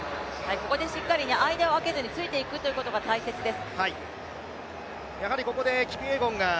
ここでしっかり間をあけずについていくことが大切です。